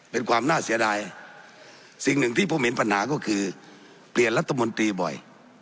เป็นความน่าเสียดายสิ่งหนึ่งที่ผมเห็นปัญหาก็คือเปลี่ยนรัฐมนตรีบ่อย